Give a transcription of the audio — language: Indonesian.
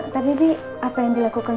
tapi ini apa yang dilakukan